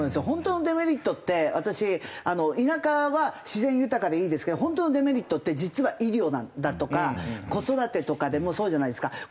ホントのデメリットって私田舎は自然豊かでいいですけどホントのデメリットって実は医療だとか子育てとかでもそうじゃないですか。